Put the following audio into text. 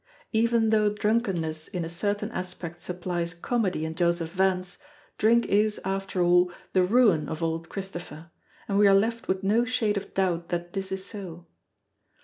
Even though drunkenness in a certain aspect supplies comedy in Joseph Vance, drink is, after all, the ruin of old Christopher, and we are left with no shade of doubt that this is so.